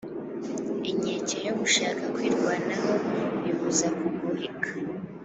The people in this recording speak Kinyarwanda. Inkeke yo gushaka kwirwanaho ibuza kugoheka,